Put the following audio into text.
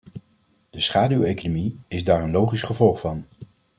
De schaduweconomie is daar een logisch gevolg van.